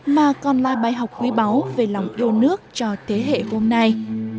mà còn là bài học quý báu về lòng yêu nước cho thế hệ hôm nay